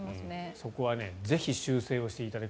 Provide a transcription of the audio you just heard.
そこはぜひ修正をしていただきたい。